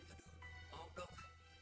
aduh mau dong